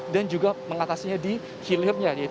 dan juga mengatasinya di sekolah